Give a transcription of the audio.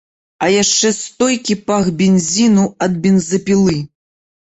А яшчэ стойкі пах бензіну ад бензапілы!